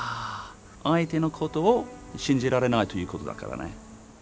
相手のことを信じられないということだからね。